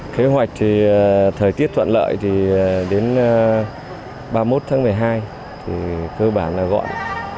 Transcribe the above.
kế hoạch thì thời tiết thuận lợi thì đến ba mươi một tháng một mươi hai thì cơ bản là gọn